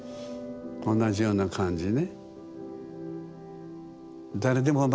同じような感じね。